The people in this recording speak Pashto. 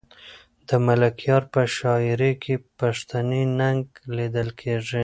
د ملکیار په شاعري کې پښتني ننګ لیدل کېږي.